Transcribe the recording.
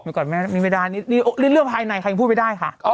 ก่อนแม่นี่ไม่ได้นี่เรื่องภายในใครยังพูดไม่ได้ค่ะ